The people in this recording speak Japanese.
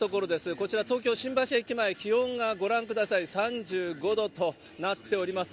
こちら東京・新橋駅前、気温がご覧ください、３５度となっております。